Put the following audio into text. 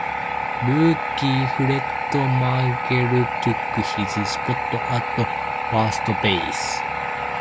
Rookie Fred Merkle took his spot at first base.